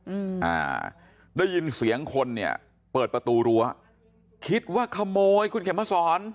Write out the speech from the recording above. อืมอ่าได้ยินเสียงคนเนี่ยเปิดประตูรั้วคิดว่าขโมยคุณเข็มมาสอน